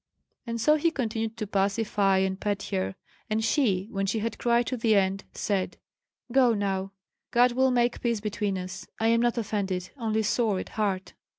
And so he continued to pacify and pet her; and she, when she had cried to the end, said: "Go now. God will make peace between us. I am not offended, only sore at heart."